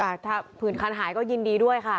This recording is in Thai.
ถ้าผื่นคันหายก็ยินดีด้วยค่ะ